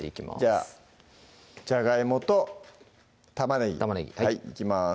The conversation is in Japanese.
じゃあじゃがいもと玉ねぎいきます